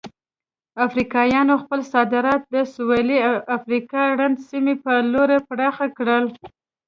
افریقایانو خپل صادرات د سویلي افریقا رنډ سیمې په لور پراخ کړل.